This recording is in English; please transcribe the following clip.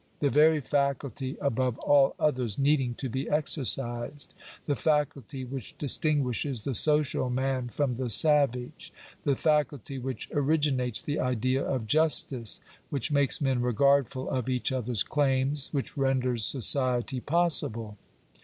The very faculty above all others needing to be exercised. The faculty which distinguishes the social man from the savage. The faculty which originates the idea of justice — which makes men regardful of each other s claims — which renders society possible.